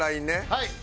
はい。